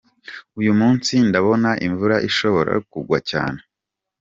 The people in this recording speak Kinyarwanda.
Uyu munsi ndabona imvura ishobora kugwa cyane.